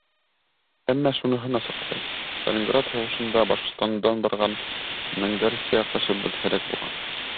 Әммә шуныһын асыҡлай: Сталинград һуғышында Башҡортостандан барған меңдәрсә яҡташыбыҙ һәләк булған.